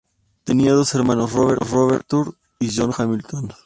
Tenía dos hermanos, Robert Arthur y John Hamilton.